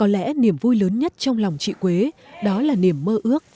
tuy nhiên có lẽ niềm vui lớn nhất trong lòng chị quế đó là niềm mơ ước